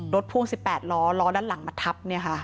พ่วง๑๘ล้อล้อด้านหลังมาทับ